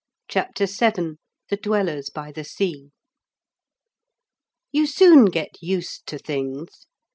CHAPTER VII THE DWELLERS BY THE SEA You soon get used to things.